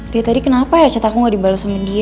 dia tadi kenapa ya cetaku gak dibalas sama dia